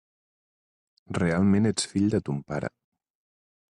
Realment ets fill de ton pare.